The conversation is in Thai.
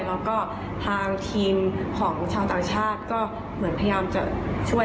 แล้วก็ทางทีมของชาวต่างชาติก็เหมือนพยายามจะช่วย